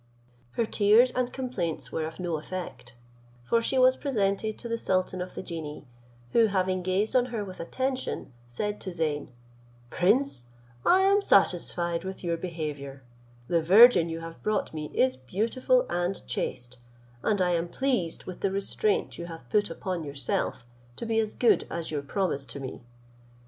Her tears and complaints were of no effect, for she was presented to the sultan of the genii, who having gazed on her with attention, said to Zeyn, "Prince, I am satisfied with your behaviour; the virgin you have brought me is beautiful and chaste, and I am pleased with the restraint you have put upon yourself to be as good as your promise to me.